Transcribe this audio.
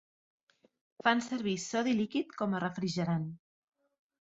Fan servir sodi líquid com a refrigerant.